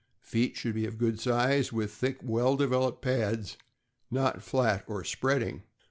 Feet should be of good size, with thick, well developed pads, not flat or spreading.